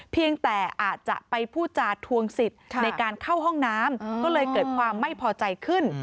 เพียงแต่อาจจะไปพูดจาทวงสิทธิ์ในการเข้าห้องน้ำก็เลยเกิดความไม่พอใจขึ้น